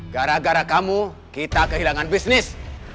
gara gara kamu kita kehilangan bisnis